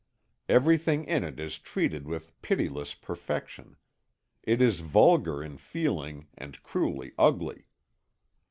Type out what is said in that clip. Everything in it is treated with a pitiless perfection; it is vulgar in feeling and cruelly ugly.